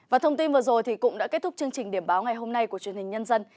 và thông tin vừa rồi cũng đã kết thúc chương trình điểm báo ngày hôm nay của truyền hình nhân dân